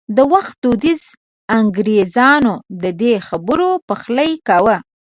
د وخت دودیزو انګېرنو د دې خبرو پخلی کاوه.